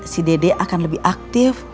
si dede akan lebih aktif